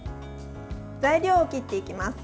材料を切っていきます。